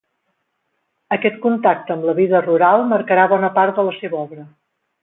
Aquest contacte amb la vida rural marcarà bona part de la seva obra.